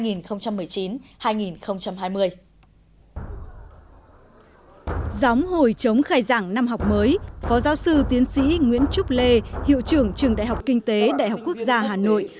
giống hồi chống khai giảng năm học mới phó giáo sư tiến sĩ nguyễn trúc lê hiệu trưởng trường đại học kinh tế đại học quốc gia hà nội